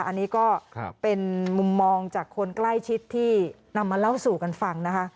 อันนี้ก็เป็นมุมมองจากคนใกล้ชิดที่นำมาเล่าสู่กันฟังนะคะ